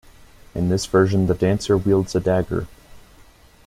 In this version, the dancer wields a dagger.